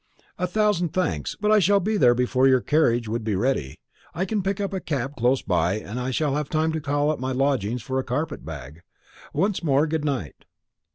"A thousand thanks, but I shall be there before your carriage would be ready. I can pick up a cab close by and shall have time to call at my lodgings for a carpet bag. Once more, good night."